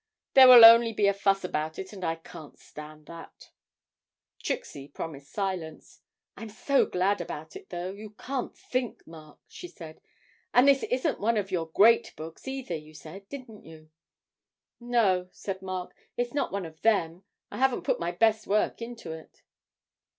There will only be a fuss about it, and I can't stand that.' Trixie promised silence. 'I'm so glad about it, though, you can't think, Mark,' she said; 'and this isn't one of your great books, either, you said, didn't you?' 'No,' said Mark; 'it's not one of them. I haven't put my best work into it.'